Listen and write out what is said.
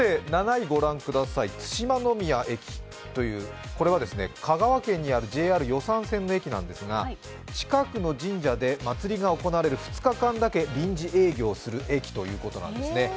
７位、津島ノ宮駅という、香川県にあるＪＲ予讃線の駅なんですが近くの神社で祭りが行われる２日間だけ臨時営業する駅ということなんですね。